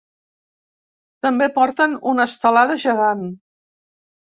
També porten una estelada gegant.